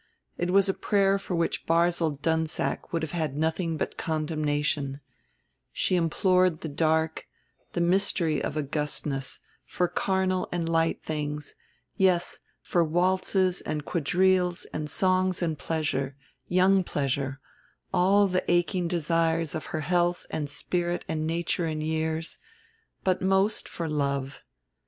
It was a prayer for which Barzil Dunsack would have had nothing but condemnation: she implored the dark, the mystery of Augustness, for carnal and light things, yes for waltzes and quadrilles and songs and pleasure, young pleasure, all the aching desires of her health and spirit and nature and years; but most for love.